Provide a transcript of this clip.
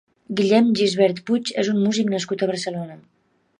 Guillem Gisbert Puig és un músic nascut a Barcelona.